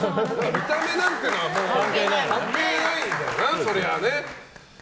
見た目なんかは関係ないよな、そりゃね。